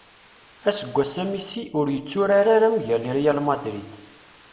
Aseggas-a Messi ur yetturar ara mgal Real Madrid.